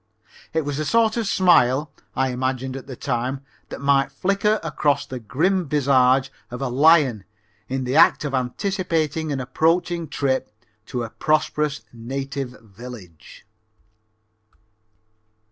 It was the sort of a smile, I imagined at the time, that might flicker across the grim visage of a lion in the act of anticipating an approaching trip to a prosperous native village.